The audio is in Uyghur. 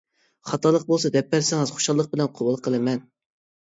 خاتالىق بولسا دەپ بەرسىڭىز خۇشاللىق بىلەن قوبۇل قىلىمەن.